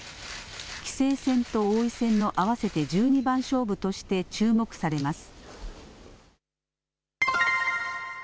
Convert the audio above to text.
棋聖戦と王位戦の合わせて十二番勝負として注目されます。